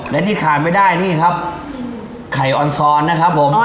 และนี่ขาดไม่ได้นี่ครับไข่ออนซอนนะครับผม